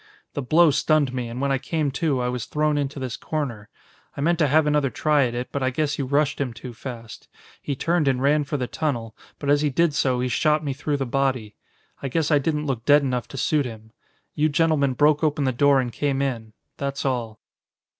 The blow stunned me, and when I came to, I was thrown into this corner. I meant to have another try at it, but I guess you rushed him too fast. He turned and ran for the tunnel, but as he did so, he shot me through the body. I guess I didn't look dead enough to suit him. You gentlemen broke open the door and came in. That's all."